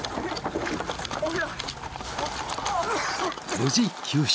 ［無事救出］